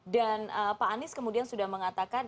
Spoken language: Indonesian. dan pak anies kemudian sudah mengatakan